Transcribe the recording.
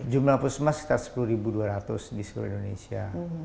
jumlah pusmas sekitar sepuluh dua ratus di seluruh indonesia